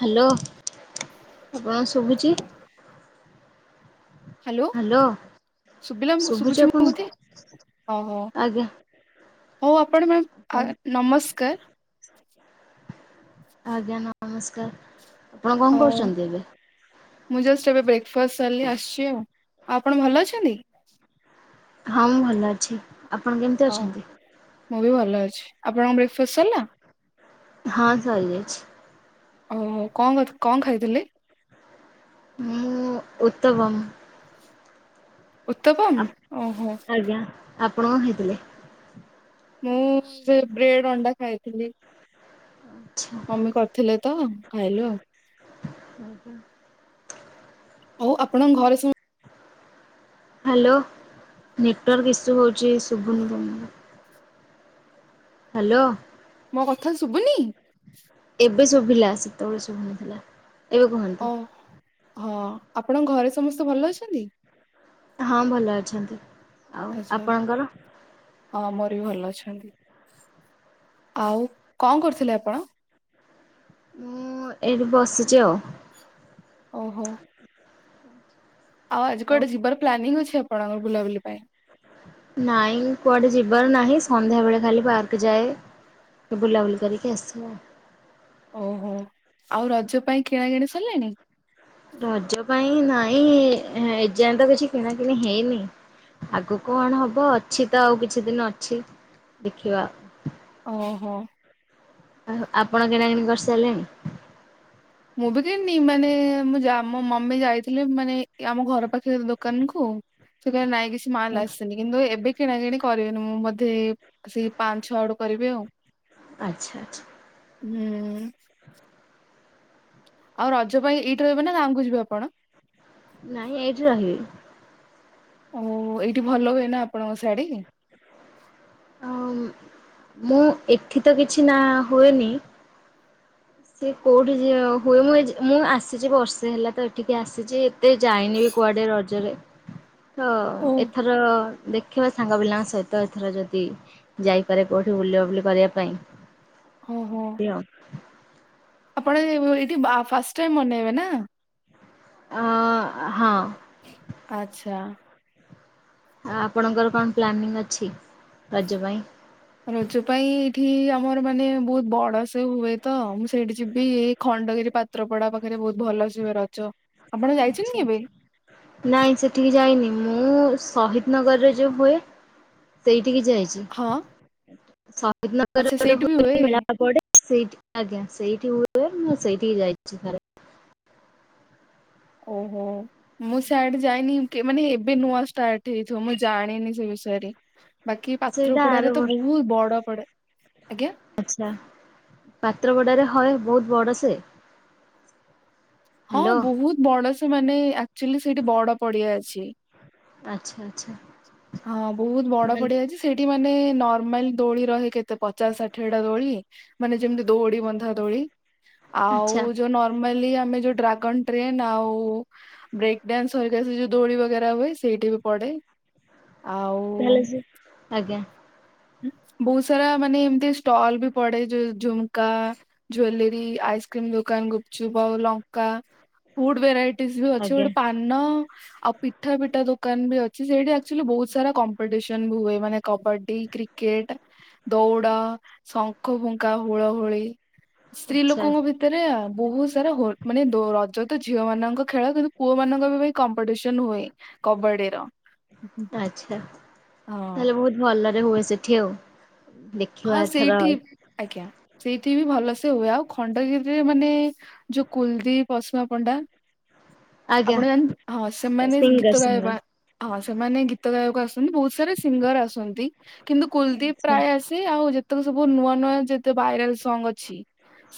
Hello ଆପଣକୁ ଶୁବୁଚି? Hello hello ଶୁଭିଲା ଶୁବୁଚି ଶୁଭୁଛି ମୋ କଥା ଓହୋ ଆପଣକୁ? ହଉ ଆପଣ ମା ଆ ନମସ୍କାର। ଆଜ୍ଞା ନମସ୍କାର ଆପଣ କଣ ହଉ କରୁଚନ୍ତି ଏବେ? ମୁଁ ଜଷ୍ଟ ଏବେ ବ୍ରେକ୍ଫାଷ୍ଟ ସାରିଲି ଆସିଚି ଆଉ ଆଉ ଆପଣ ଭଲ ଅଛନ୍ତି? ହଁ ମୁଁ ଭଲ ଅଛି ଆପଣ କେମିତି ହଁ ଅଛନ୍ତି? ମୁଁ ବି ଭଲ ଅଛି ଆପଣଙ୍କ ବ୍ରେକ୍ଫାଷ୍ଟ ସାରିଲା? ହଁ ହାରିଯାଇଛି। ଓହୋ କରିଥି କଁ ଖାଇଥିଲେ? ମୁଁ ଉତବମ୍ [inaudible] ଉତ୍ତପମ? ଆପ ଓହୋ ଆଜ୍ଞା ଆପଣ କଣ ଖାଇଥିଲେ? ମୁଁ ସେଇ ବ୍ରେଡ଼୍ ଅଣ୍ଡା ଖାଇଥିଲି। ଆଚ୍ଛା। ମମି କରିଥିଲେତ ଖାଇଲୁ ଆଉ। [unintelligible] ହଉ ଆପଣଙ୍କ ଘରେ ସମେ ହାଲୋ ନେଟୱାର୍କ ଇସ୍ୟୁ ହେଉଚି ସୁବୁନି ଜମାରୁ। ହାଲୋ। ମୋ କଥା ଶୁବୁନି? ଏବେ ଶୁଭିଲା ସେତେବେଳେ ଶୁଭୁନଥିଲା। ଏବେ କୁହନ୍ତୁ ଓ ହଁ ଆପଣଙ୍କ ଘରେ ସମସ୍ତେ ଭଲ ଅଛନ୍ତି? ହଁ ଭଲ ଅଛନ୍ତି ଆଉ ଆଚ୍ଛା ଆପଣଙ୍କର? ହଁ ମୋରବି ଭଲ ଅଛନ୍ତି ଆଉ କଣ କରୁଥିଲେ ଆପଣ? ମୁଁ ଏଇଠି ବସିଚି ଆଉ। ଓହୋ। ଆଉ ଆଜି ହଉ କୁଆଡ଼େ ଯିବାର ପ୍ଲାନିଂ ଅଛି ଆପଣଙ୍କର ବୁଲାବୁଲି ପାଇଁ? ନାଇଁ କୁଆଡେ ଯିବାର ନାହିଁ ସନ୍ଧ୍ୟା ବେଳେ ଖାଲି ପାର୍କ ଯାଏ। ସେ ବୁଲାବୁଲି କରିକି ଆସିବ ଆଉ। ଓହୋ, ଆଉ ରଜ ପାଇଁ କିଣା କିିଣି ସରିଲାଣି? ରଜ ପାଇଁ ନାଇଁ, ଏଯାଏ ତ କିଛି କିଣା କିିଣି ହେଇନି। ଆଗକୁ କଣ ହବ, ଅଛି ତ ଆଉ କିଛି ଦିନ ଅଛି, ଦେଖିବା। ଓହୋ। ଆ ଆପଣ କିଣାକିଣି କରିସାରିଲେଣି? ମୁଁ ବି କିଣିନି, ମାନେ ମୁଁ ଜା ମୋ ମମି ଯାଇଥିଲେ ମାନେ ଆମ ଘର ପାଖରେ ଦୋକାନ କୁ ସେ କହିଲେ ନାଇଁ କିଛି ହଁ। ମାଲ ଆସିନି। କିନ୍ତୁ ଏବେ କିଣା କିିଣି କରିବେନି ମୁଁ ବୋଧେ, ସେଇ ପାଞ୍ଚ ଛଅ ଆଡୁ କରିବି ଆଉ। ଆଛା ଆଛା। ହୁଁ। ଆଉ ରଜ ପାଇଁ ଏଇଠି ରହିବ ନା, ଗାଁକୁ ଯିବେ ଆପଣ? ନାଇଁ ଏଇଠି ରହିବି। ଓ ଏଇଠି ଭଲ ହୁଏ ନା ଆପଣଙ୍କ ଶାଡ଼ି? ଅଁ ମୁଁ ଏଠି ତ କିଛି ନା ହୁଏନି ସେ କୋଉଠି ଯ ହୁଏ ମୁଁ ଏ ମୁଁ ଆସିଚି ବର୍ଷେ ହେଲା ତ ଏଠିକି ଆସିଚି। ତେ ଯାଇନି ବି କୁଆଡେ ରଜରେ, ତ ଓ ଏଥର ଦେଖିବା ସାଙ୍ଗ ପିଲାଙ୍କ ସହିତ ଏଥର ଯଦି, ଯାଇପାରେ କଉଠି ବୁଲାବୁଲି କରିବା ପାଇଁ। ଓହୋ ଯିବି ଆଉ। ଆପଣ ଏଇଠି ବା ଫାଷ୍ଟ୍ ଟାଇମ୍ ମନେଇବେ ନା? ଅଁ ହଁ। ଆଛା। ଆଉ ଆପଣଙ୍କର କଣ ପ୍ଲାନିଂ ଅଛି ରଜ ପାଇଁ? ରଜ ପାଇଁ ଏଇଠି ଆମର ମାନେ ବହୁତ ବଡ଼ ସେ ହୁଏ ତ, ମୁଁ ସେଇଠି ଯିବି, ଏଇ ଖଣ୍ଡଗିରି ପା ତ୍ରପଡା ପାଖରେ ବହୁତ୍ ଭଲସେ ହୁଏ ରଜ, ଆପଣ ଆଚ୍ଛା। ଯାଇଚନ୍ତି କେବେ? ନାଇଁ ସେଠିକି ଯାଇନି, ମୁଁ ଶହିଦ୍ ନଗର୍ ରେ ଯୋଉ ହୁଏ ସେଇଠିକି ଯାଇଚି, ହଁ ଆଚ୍ଛା ଶହିଦନଗରରେ ଗୋଟେ ସେଇଠି ବି ହୁଏ ହୁଏନି ମେଳାପଡେ ସେଇଠି ଆଜ୍ଞା, ସେଇଠି ହୁଏ, ମୁଁ ସେଇଠିକି ଯାଇଚି ଥରେ। ଓହୋ, ମୁଁ ସିଆଡେ ଯାଇନି। କେ ମାନେ ଏବେ ନୂଆ ଷ୍ଟାର୍ଟ୍ ହେଇଥିବ, ମୁଁ ଜାଣିନି ସେଇ ବିଷୟରେ ‍। ବାକି ପାତ୍ର ସେଇଟା ଆର ପଡାରେ ତ ବର୍ଷ ବହୁତ୍ ବଡ଼ ପଡେ, ଆଜ୍ଞା? ଆଛା, ପାତ୍ର ପଡାରେ ହଏ ବହୁତ୍ ବଡ଼ ସେ? ହଁ ହ୍ୟାଲୋ ବହୁତ୍ ବଡ଼ ସେ ମାନେ, ଆକ୍ଚୁଅଲି ସେଇଠି ବଡ଼ ପଡିଆ ଅଛି। ଆଛା ଆଛା। ହଁ, ବହୁତ୍ ବଡ଼ ପଡିଆ ଅଛି ସେଇଠି ମାନେ ନର୍ମାଲ ଦୋଳି ରହେ କେତେ, ପଚାଶ ଷାଠିଏ ଟା ଦୋଳି। ମାନେ ଯେମ୍ ତି ଦୌଡି ବନ୍ଧା ଦୋଳି, ଆଉ ଆଚ୍ଛା। ଯୋ ନ ମଇଲି ଆମେ ଯୋଉ ଡ୍ରାଗନ୍ ଟ୍ରେନ୍ ଆଉ, ବ୍ରେକ୍ ଡାନ୍ସ୍ ସହିତ ଦୋଳି ବଗେରା ହୁଏ ସେଇଠି ବି ପଡେ। ଆଉ ତାହଲେ ସେ, ଆଜ୍ଞା। ବହୁତ ସାରା ମାନେ ଏମ୍ ତି ଷ୍ଟଲ୍ ବି ପଡେ, ଯ ଝୁମ୍ କା ଜ୍ୱେଲେରୀ, ଆଇସ୍କ୍ରିମ୍ ଦୋକାନ୍, ଗୁପଚୁପ୍ ଆଉ ଲଙ୍କା, ଫୁଡ୍ ଭେରାଇ ଟିଜ୍ ବି ଅଛି, ଆଜ୍ଞା। ଗୋଟେ ପାନ, ଆଉ ପିଠା-ପିଠା ଦୋକାନ୍ ବି ଅଛି, ସେଟି ଆ ଚୁଲି ବହୁ ସାରା କମ୍ପିଟିସନ୍ ବି ହୁଏ, ମାନେ କବାଡି, କ୍ରିକେଟ୍, ଦୌଡ ଶଙ୍ଖ ଫୁଙ୍କା, ହୁଳ ହୁଳି, ସ୍ତ୍ରୀ ଆଚ୍ଛା ଲୋକଙ୍କ ଭି ତିରେ ବହୁତ୍ ସାରା ହୋ ମାନେ ଦୋ ରଜ ତ ଝିଅ ମାନଙ୍କ ଖେଳ କିନ୍ତୁ ପୁଅ ମାନଙ୍କ ବ କମ୍ପିଟିସନ୍ ହୁଏ। କବାଡ଼ି ର। ଆଛା ହଁ ତାହେଲେ ବହୁତ୍ ଭଲରେ ହୁଏ ସେଠି ଆଉ ଦେ ହଁ ସେଇଠି ଆଜ୍ଞା ସେଇଠି ବି ଭଲ ସେ ହୁଏ ଆଉ ଖଣ୍ଡଗିରିରେ ମାନେ। ଯୋଉ କୁଲଦୀପ୍ ଅସିମା ପଣ୍ଡା। ଆଜ୍ଞା। ଆପଣ ଜାଣି ହଁ ସେମାନେ ସିଙ୍ଗର ଗୀତ ଗାଇବା ସିଙ୍ଗର ପାଇଁ ଆ ହଁ ସେମାନେ ଗୀତ ଗାଇବାକୁ ଆସନ୍ତି ବହୁତ୍ ସାରା ସିଙ୍ଗର୍ ଆସନ୍ତି କିନ୍ତୁ କୁଲଦୀପ୍ ଆଚ୍ଛା। ପ୍ରାୟ ଆ ସିବେ ଆଉ ଯେତେକ ସବୁ ନୂଆ-ନୂଆ ଯେତେ ଭାଇରାଲ୍ ସଙ୍ଗ୍ ଅଛି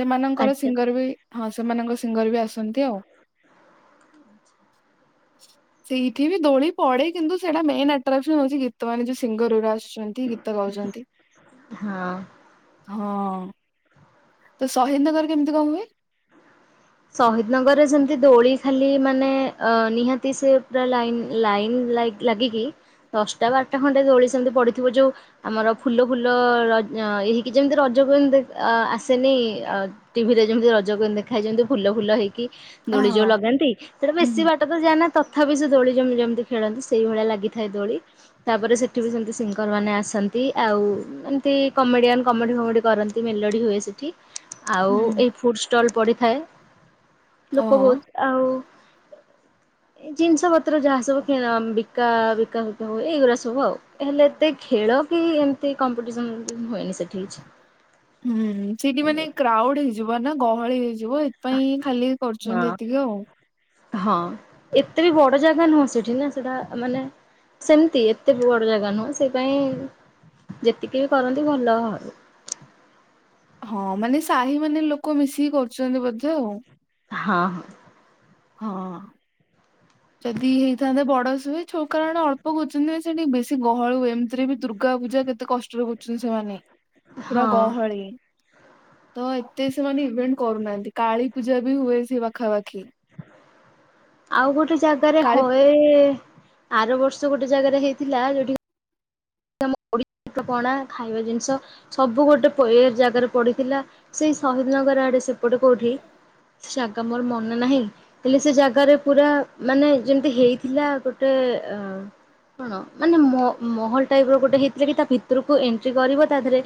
ସେମାନଙ୍କର ଆଚ୍ଛା ସିଙ୍ଗର୍ ବି। ହଁ ସେମାନଙ୍କ ସିଙ୍ଗର୍ ବି ଆସନ୍ତି ଆଉ। ସେଇଠି ବି ଦୋଳି ପଡେ କିନ୍ତୁ ସେଇଟା ମେନ୍ ଆଟ୍ରାକ୍ସନ୍ ହଉଚି ଗୀତ ମାନେ ଯୋଉ ସିଙ୍ଗର୍ ରା ଆଶୁଛନ୍ତି ଗୀ ତ ଗାଉଛନ୍ତି। ହଁ। ହଁ ତ ଶହୀଦନଗର କେମିତି କଣ ହୁଏ? ଶହୀଦନଗରରେ ସେମିତି ଦୋଳି ଖାଲି ମାନେ ଅ ନିହାତି ସେ ପୁରା ଲାଇନ ଲାଇନ୍ ଲା ଲାଗିକି ଦଶଟା ବାରଟା ଖଣ୍ଡେ ଦୋଳି ସେମିତି ପଡିଥିବ ଯୋଉ ଆମର ଫୁଲ ଫୁଲ ର ଇଏ ହେଇକି ଯେମିତି ରଜକୁ ଯେମିତି ଆସେନି ଟିଭି ରେ ଯେମିତି ରଜ କୁଇନ ଦେଖାଏ ଯେମିତି ଫୁଲ ଫୁଲ ହେଇକି ଦୋଳି ଓହୋ ଯୋଉ ଲଗାନ୍ତି ସେଟା ହୁଁ ବେଶୀ ହୁଁ। ବା ଟକୁ ଯାଏନା ତଥାପି ସେ ଦୋଳି ଯେମି ଯେମିତି ଖେଳନ୍ତି ସେଇଭଳିଆ ଲାଗିଥାଏ ଦୋଳି। ତାପରେ ସେଠି ବି ସେମିତି ସିଙ୍ଗର ମାନେ ଆସନ୍ତି ଆଉ ଏମିତି କମେଡିଆନ କମେଡି ଫମେଡି କର ମେଲୋଡି ହୁଏ ସେଠି ଆଉ ହୁଁ ଏଇ ଫୁଡ ଷ୍ଟଲ ପଡିଥାଏ ଲୋକ ଓହୋ। ବହୁତ ଆଉ ଏଇ ଜିନିଷ ପତ୍ର ଯାହା ସବୁ କିଣା ବିକା ବିକା ବିକି ହୁଏ ଏଇଗୁଡା ସବୁ ଆଉ ହେଲେ ଏ ଖେଳ କି ଏମିତି କମ୍ପିଟିସନ ହୁଏନି ସେଠି କିଛି। ହୁଁ ସେଇଠି ମାନେ କ୍ରାଉଡ ହେଇଯିବ ନା ଗହଳି ହେଇଯିବ ଏଥିପାଇଁ ଖାଲି। ହଁ। କରୁଛନ୍ତି ଏତିକି ଆଉ। ହଁ ଏତେ ବି ବଡ଼ ଜାଗା ନୁହଁ ସେଠି ନା ସେଟା ମାନେ ସେମିତି ଏତେ ବି ବଡ ଜାଗା ନୁହଁ ସେ ପାଇଁ ଯେତିକି ବି କରନ୍ତି ଭଲ ହଁ ମାନେ ସାହି ମାନେ ଲୋକ ମିଶିକି କରୁଛନ୍ତି ବୋଧେ ଆଉ। ହଁ ହଁ। ହଁ। ଯଦି ହେଇଥାନ୍ତେ ବଡ ସେ ହୁଏ ଛଉକା ଆଡେ ଅଳ୍ପ କରୁଛନ୍ତି ନା ସେଠି ବେଶୀ ଗହଳ ହୁଏ ଏମିତିରେ ବି ଦୁର୍ଗା ପୂଜା କେ କେତେ କଷ୍ଟରେ ବୁଝୁଛନ୍ତି ସେମାନେ ପୁରା ହଁ ଗହଳି ତ ଏତେ ସେମାନେ ଇଭେଣ୍ଟ କରୁନାହାନ୍ତି କାଳୀ ପୂଜା ବି ହୁଏ ସେ ପାଖାପାଖି। ଆଉ ଗୋଟେ ଜାଗାରେ କାଳୀ ହଏ। ଆର ବର୍ଷ ଗୋଟେ ଜାଗାରେ ହେଇଥିଲା ଯୋଉଠି ଆମ ଓଡିଶ ପଣା ଖାଇବା ଜିନିଷ ସବୁ ଗୋଟେ ପ ଏ ଜାଗାରେ ପଡିଥିଲା ସେଇ ଶହିଦ ନଗର ଆଡେ ସେ ଏପଟେ କୋଉଠି ସେ ଜାଗା ମୋର ମନେ ନାହିଁ। ହେଲେ ସେ ଜାଗାରେ ପୁରା ମାନେ ଯେମିତି ହେଇଥିଲା ଗୋଟେ ଅ କଣ ମାନେ ମ ମହଲ ଟାଇପ ର ଗୋଟେ ହେଇଥିଲା କି ତା ଭିତରକୁ ଏଣ୍ଟ୍ରି କରିବ ତା ଦେହରେ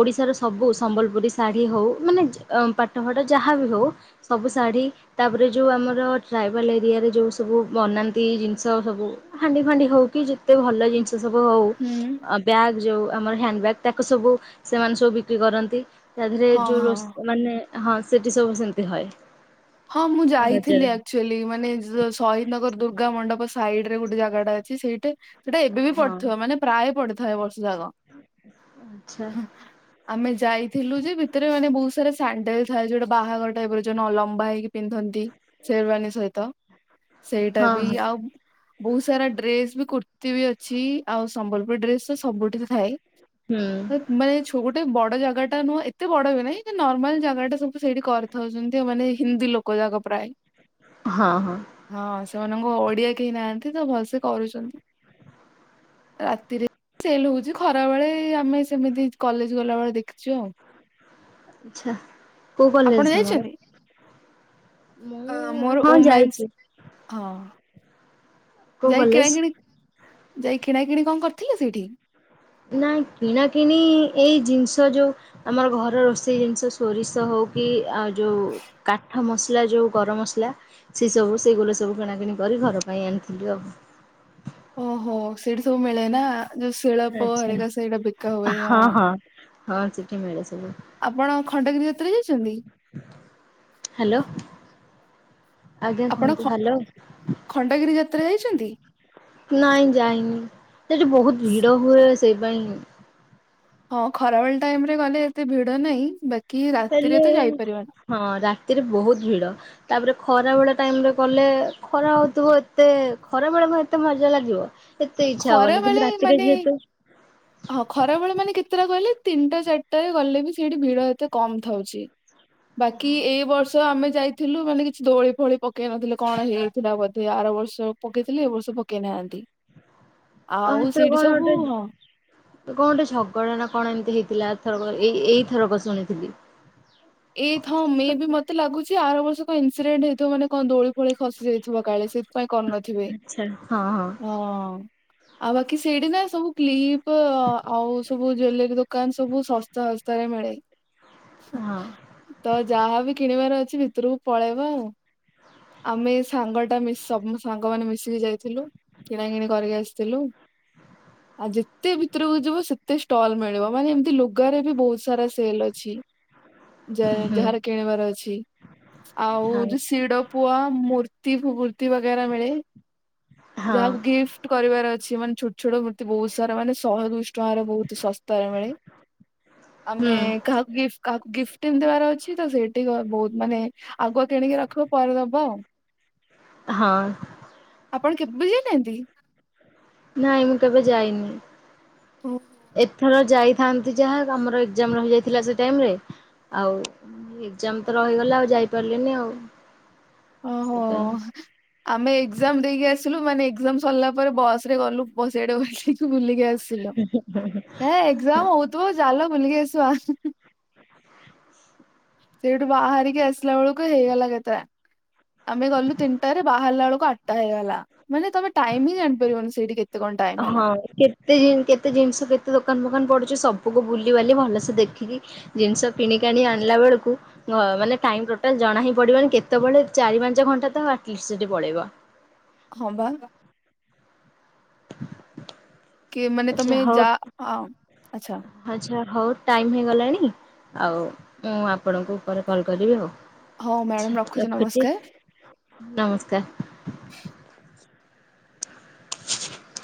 ଓଡିଶାର ସବୁ ସମ୍ବଲପୁରୀ ଶାଢ଼ୀ ହଉ ମାନେ ପାଟ ଫାଟ ଯାହାବି ହଉ ସବୁ ଶାଢୀ ତାପରେ ଯୋଉ ଆମର ଟ୍ରାଇବାଲ ଏରିଆରେ ଯୋଉ ସବୁ ବନାନ୍ତି ଜିନିଷ ସବୁ ହାଣ୍ଡି ଫାଣ୍ଡି ହଉ କି ଯେତେ ଭଲ ଜିନିଷ ସବୁ ହଉ ହୁଁ ବ୍ୟାଗ୍ ଯୋଉ ଆମର ହ୍ୟାଣ୍ଡ ବ୍ୟାଗ୍ ତାକୁ ସବୁ ସେମାନେ ସବୁ ବିକ୍ରି କରନ୍ତି। ତା ଦେହରେ ହଁ ଯୋଉ ହଁ ର ମାନେ ହଁ ସେଠି ସବୁ ସେମିତି ହଏ। ହଁ ମୁଁ ଯାଇଥିଲି ରଜରେ ଆଚୁ ମାନେ ଶହୀଦନଗର ଦୁର୍ଗା ମଣ୍ଡପ ସାଇଡ ରେ ଗୋଟେ ଜାଗାଟା ଅଛି ସେଇଟା। ସେଟା ଏବେ ବି ହଁ ପଡିିବ ମାନେ ପ୍ରାୟ ପଡିଥାଏ ଏ ବର୍ଷ ଯାକ। ଆଚ୍ଛା ଆମେ ଯାଇଥିଲୁ ଯେ ଭିତରେ ମାନେ ବହୁତ ସାରା ସାଣ୍ଡେଲ ଥାଏ ଯୋଉଟା ବାହାଘର ଟାଇପ ର ଯୋଉ ଲମ୍ବା ହେଇ ପିନ୍ଧନ୍ତି ଶରବାନୀ ସହିତ ସେଇଟା ହଁ ବି ହଁ ଆଉ ବହୁତ ସାରା ଡ୍ରେସ ବି କୁର୍ତ୍ତିୀ ବି ଅଛି ଆଉ ସମ୍ବଲପୁର ଡ୍ରେସ ତ ସବୁଠି ଥାଏ। ହୁଁ। ମାନେ ଛୁ ଗୋଟେ ବଡ ଜାଗା ଟା ନୁହଁ ଏତେ ବଡ ବିଏ ନାଇଁ ନର୍ମାଲ ଜାଗାଟା ସବୁ ସେଇଠି କରିଥାଉଛନ୍ତି ମାନେ ହିନ୍ଦୀ ଲୋକ ଯାକ ପ୍ରାୟ। ହଁ ହଁ। ହଁ ସେମାନଙ୍କୁ ଓଡିଆ କେହି ନାହାନ୍ତି ତ ଭଲସେ କରୁଛନ୍ତି। ରାତିରେ ସେଲ ହଉଛି ଖରା ବେଳେ ଆମେ ସେମିତି କଲେଜ ଗଲାବେଳେ ଦେଖିଛୁ ଆଉ। ଆଚ୍ଛା। କୋଉ ଆପଣ କଲେଜ ତମର ଯାଇଛନ୍ତି? ଅ ମୁଁ ମୋର ହଁ ଓମେନ୍ସ ଯାଇଛି। ହଁ କୋଉ ଯାଇ କଲେଜ? କିଣାକିଣି ଯାଇ କିଣା କିିଣି କଣ କରିଥିଲେ ସେଇଠି? ନାଇଁ କିଣାକିଣି ଏଇ ଜିନିଷ ଯୋଉ ଆମର ଘର ରୋଷେଇ ଜିନିଷ ସୋରିଷ ହଉ କି ଆଉ ଯୋଉ କାଠ ମସଲା ଯୋଉ ଗରମ ମସଲା ସେ ସବୁ ସେଇଗୁଡା ସବୁ କିଣାକିଣି କରି ଘର ପାଇଁ ଆଣିଥିଲି ଆଉ ଓହୋ, ସେଇଠୁ ସବୁ ମିଳେନା। ଯୋଉ ଶିଳପୁଆ ଆଚ୍ଛା ହରିକା ସେଇଟା ବିକା ହୁଏ। ହଁ, ହଁ ସେଠି ମିଳେ ସବୁ ଆପଣ ଖଣ୍ଡଗିରି ଯାତ୍ରା ଯାଇଛନ୍ତି? ହେଲୋ ଆଜ୍ଞା, ଆପଣ କୁହନ୍ତୁ ଖ ହେଲୋ? ଖଣ୍ଡଗିରି ଯାତ୍ରା ଯାଇଛନ୍ତି? ନାଇଁ ଯାଇନି, ସେଠି ବହୁତ ଭିଡ଼ ହୁଏ। ସେଇ ପାଇଁ ହଁ, ଖରାବେଳ ଟାଇମ୍ ରେ ଗଲେ ଏତେ ଭିଡ଼ ନାହିଁ। ବେ ହେଲେ ହଁ, ରାତିରେ ବହୁତ ଭିଡ଼। ତାପରେ ଖରାବେଳ ଟାଇମ୍ ରେ ଗଲେ ଖରା ହଉଥିବ। ଏତେ ଖରାବେଳେ କଣ ଏତେ ମଜା ଲାଗିବ? ସେତେ ଇଚ୍ଛା ଖରା ହବନି ବେଳେ କିନ୍ତୁ ରାତିରେ ମାନେ ଯେହେତୁ ହଁ, ଖରାବେଳେ ମାନେ କେତେଟା କହିଲେ? ତିନିଟା ଚାରିଟାରେ ଗଲେବି ସେଇଠି ଭିଡ଼ ଏତେ କମ୍ ଥାଉଛି। ବାକି, ଏ ବର୍ଷ ଆମେ ଯାଇଥିଲୁ, ମାନେ କିଛି ଦୋଳି ଫୋଳି ପକେଇନଥିଲେ, କଣ ହେଇଥିଲା ବ ସେ ଆର ବର୍ଷ ପକେଇଥିଲେ, ଏ ବର୍ଷ ପକେଇ ନାହାନ୍ତି। ଆଉ ଏଥିରେ ସେଇଠୁ କଣ ସବୁ ଗୋଟେ କଣ ଗଟେ ଝଗଡ଼ା ନା କଣ ଏମିତି ହେଇଥିଲା? ଏଥରକ ଏଇଥରକ ଶୁଣିଥିଲି। ଏଇ ଥ ମେ ବି ମତେ ଲାଗୁଛି, ଆର ବର୍ଷ କଣ ଇନ୍ସିଡେଣ୍ଟ ହେଇଥିବ ମାନେ କଣ ଦୋଳି ଫୋଳି ଖସି ଯାଇଥିବ କାଳେ ସେ? ପାଇଁ କରୁନଥିବେ ଆଚ୍ଛା। ହଁ ହଁ। ଆଉ ବାକି ସେଇଠି ନା ସବୁ କ୍ଲିପ ଆଉ ସବୁ ଜୁଏଲେରୀ ଦୋକାନ ସବୁ ସ ସସ୍ତାରେ ମିଳେ। ହଁ। ତ ଯାହାବି କିଣିବାର ଅଛି, ଭିତରକୁ ପଳେଇବ ଆଉ। ଆମେ ସାଙ୍ଗଟା ମିଶି ସବୁ ସାଙ୍ଗମାନେ ମିଶିକି ଯାଇଥିଲୁ। କିଣାକିଣି କରିକି ଆସ୍ ଥିଲୁ ଆଉ ଯେତେ ଭିତରକୁ ଯିବ ସେତେ ଷ୍ଟଲ୍ ମିଳିବ ମାନେ ଏମିତି ଲୁଗାରେ ବି ବହୁତ ସାରା ସେଲ୍ ଅଛି। ଯାଏ ହୁଁ ଯାହାର କିଣିବାର ଅଛି ଆଉ ହଁ ଯୋଉ ଶିଡ଼ପୁଆ ମୂର୍ତ୍ତି ଫୁର୍ତ୍ତି ବାଗେରା ମିଳେ ହଁ ଯାହାକୁ ଗିଫ୍ଟ୍ କରିବାର ଅଛି ମାନେ ଛୋଟ ଛୋଟ ବହୁତ ସାରା ମାନେ ଶହେ ଦୁଇଶ୍ ଟଙ୍କାରେ ବହୁତ ଶସ୍ତାରେ ମିଳେ ଆମେ ହୁଁ। କାହାକୁ ଗିଫ୍ କାହାକୁ ଗିଫ୍ଟିନ୍ ଦବାର ଅଛି ତ ସେଇଠି ଗ ବହୁତ ମାନେ ଆଗୁଆ କିଣିକି ରଖିବ ପରେ ଦବ ହଁ। ଆପଣ କେବେ ଯାଇନାହାନ୍ତି? ନାଇଁ ମୁଁ କେବେ ଯାଇନି। ହୁଁ ଏଥର ଯାଇଥାନ୍ତି ଯାହା ଆମର ଏକ୍ସାମ୍ ରହିଯାଇଥିଲା ସେ ଟାଇମ୍ ରେ ଆଉ ଏକଜାମ୍ ତ ରହିଗଲା ଆଉ ଯାଇପାରିଲିନି ଆଉ ଓହୋ। ସେଥିପାଇଁ। ଆମେ ଏକଜାମ୍ ଦେଇକି ଆସିଲୁ ମାନେ ଏକଜାମ୍ ସରିଲା ପରେ ବସ୍ ରେ ଗଲୁ ପ ସେଆଡ଼େ ଓହ୍ଲେଇକି ବୁଲିକି ଲିକି ଆସିଲୁ ଏ ଏକଜାମ୍ ହୋଉଥିବ ଚାଲ ବୁଲିକି ଆସିବା ସେଇଠୁ ବାହାରିକି ଆସିଲା ବେଳକୁ ହେଇଗଲା ଏଗାଟା ଆମେ ଗଲୁ ତିନିଟା ରେ ବାହାରିଲା ବେଳକୁ ଆଠଟା ହେଇଗଲା ମାନେ ତମେ ଟାଇମ୍ ବି ଜାଣିପାରିବନି ସେଇଟି କେ ହଁ କେତେ ଜି କେତେ ଜିନିଷ କେତେ ଦୋକାନ ଫୋକାନ ପଡ଼ୁଚି ସବୁ କୁ ବୁଲି ବାଲି ଭଲସେ ଦେଖିକି ଜିନିଷ କିଣି କାଣି ଆଣିଲା ବେଳକୁ ହଁ ମାନେ ଟାଇମ୍ ଟୋଟାଲ୍ ଜଣା ହିଁ ପଡ଼ିବନି କେତେବେଳେ ଚାରି ପାଞ୍ଚ ଘଣ୍ଟା ତ ଆଟ୍ ଲିଷ୍ଟି ପଳେଇବ। ହଁ ବା। କି ମାନେ ଆଚ୍ଛା ତମେ ହଉ ଯା ଆ ଆଚ୍ଛା ଆଚ୍ଛା ହଉ ଟାଇମ୍ ହେଇଗଲାଣି ଆଉ ମୁଁ ଆପଣଙ୍କୁ ପରେ କଲ୍ କରିବି ଆଉ। ହଉ ମ୍ୟାଡାମ ଆଚ୍ଛା ରଖୁଛି ରଖୁଚି ନମସ୍କାର। ନମସ୍କାର। [inaudible]